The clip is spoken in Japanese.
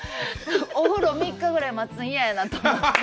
お風呂３日ぐらい待つん嫌やなと思って。